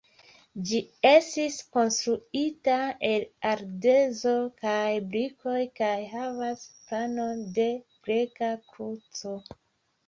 Ĝi estis konstruita el ardezo kaj brikoj kaj havas planon de greka kruco.